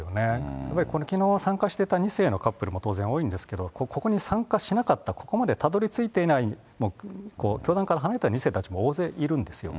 やっぱりきのう参加していた２世もカップルも当然多いんですけれども、ここに参加しなかった、ここまでたどりついていない、教団から離れた２世たちも大勢いるんですよ。